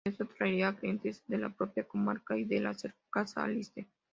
Esto atraía a clientes de la propia comarca y de la cercana Aliste.